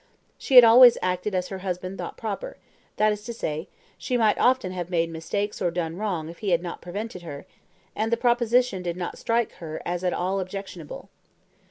She had always acted as her husband thought proper, that is to say, she might often have made mistakes or done wrong if he had not prevented her, and the proposition did not strike her as at all objectionable.